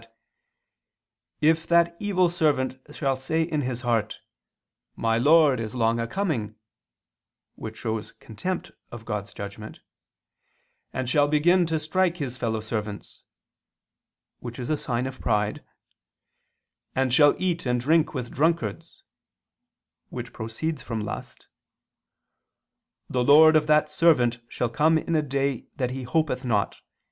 24:48 51) that "if that evil servant shall say in his heart: My lord is long a coming," which shows contempt of God's judgment, "and shall begin to strike his fellow servants," which is a sign of pride, "and shall eat and drink with drunkards," which proceeds from lust, "the lord of that servant shall come in a day that he hopeth not